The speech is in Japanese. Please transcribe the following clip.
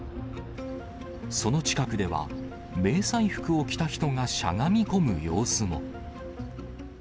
その近くでは、迷彩服を着た人がしゃがみ込む様子も。